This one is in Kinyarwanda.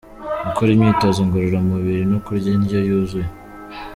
Gukora imyitozo ngororamubiri no kurya indyo yuzuye.